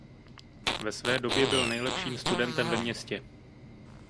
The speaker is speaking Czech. Ve své době byl nejlepším studentem ve městě.